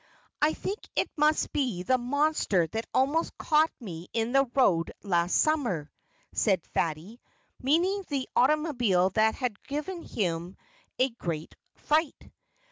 "I think it must be the monster that almost caught me in the road last summer," said Fatty, meaning the automobile that had given him a great fright.